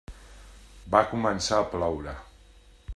Va començar a ploure.